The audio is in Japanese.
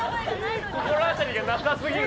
「心当たりがなさすぎる」